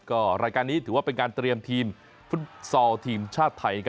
ก็รายการนี้ถือว่าเป็นการเตรียมทีมฟุตซอลทีมชาติไทย